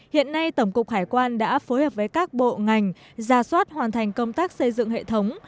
hiện nay tổng cục hải quan đã phối hợp với các bộ ngành ra soát hoàn thành công tác xây dựng hệ thống